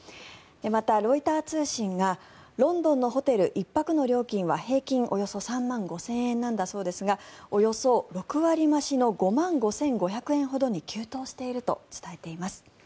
また、ロイター通信がロンドンのホテル１泊の料金は平均およそ３万５０００円なんだそうですがおよそ６割増しの５万５５００円ほどに急騰していると伝えています。